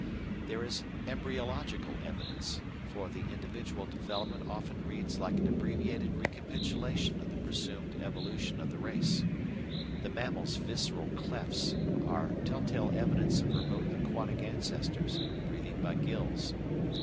There is embryological evidence, for the individual development often reads like an abbreviated recapitulation of the presumed evolution of the race. The mammal's visceral clefts are tell tale evidence of remote aquatic ancestors, breathing by gills.